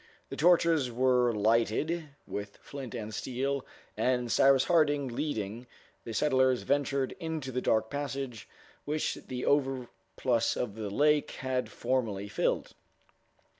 The torches were lighted with flint and steel, and Cyrus Harding leading, the settlers ventured into the dark passage, which the overplus of the lake had formerly filled.